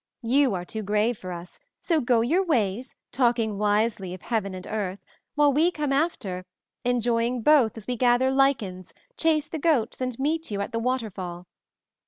You are too grave for us, so go your ways, talking wisely of heaven and earth, while we come after, enjoying both as we gather lichens, chase the goats, and meet you at the waterfall.